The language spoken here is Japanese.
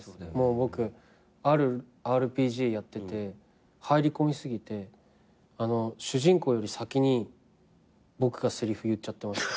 僕あるＲＰＧやってて入り込み過ぎて主人公より先に僕がせりふ言っちゃってました。